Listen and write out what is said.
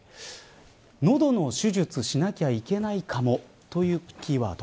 喉の手術しなきゃいけないかもというキーワード。